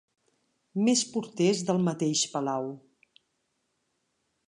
Més porters del mateix palau.